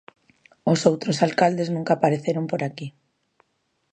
Os outros alcaldes nunca apareceron por aquí.